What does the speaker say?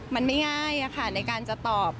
มันไม่ง่ายในการจะตอบ